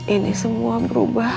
ini semua berubah